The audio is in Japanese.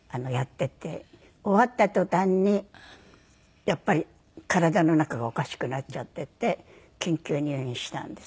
終わった途端にやっぱり体の中がおかしくなっちゃってて緊急入院したんですよ。